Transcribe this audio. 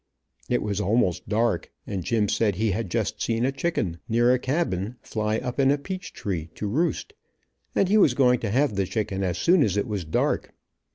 It was almost dark, and Jim said he had just seen a chicken, near a cabin, fly up in a peach tree to roost, and he was going to have the chicken as soon as it was dark.